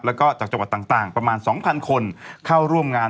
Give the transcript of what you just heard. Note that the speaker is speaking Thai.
แล้วก็จากจังหวัดต่างประมาณ๒๐๐คนเข้าร่วมงาน